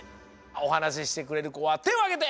おはなししてくれるこはてをあげて！